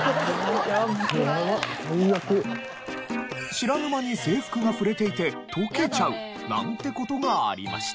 知らぬ間に制服が触れていて溶けちゃうなんて事がありました。